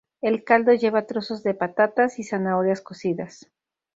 El caldo lleva trozos de patatas y zanahorias cocidas.